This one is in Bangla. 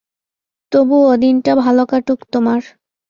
তবুও, দিনটা ভালো কাটুক তোমার।